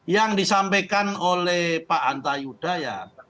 yang disampaikan oleh pak hanta yudha ya